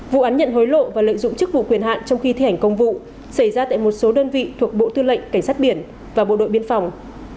vụ án nhận hối lộ và lợi dụng chức vụ quyền hạn trong khi thi hành công vụ xảy ra tại một số đơn vị thuộc bộ tư lệnh cảnh sát biển và bộ đội biên phòng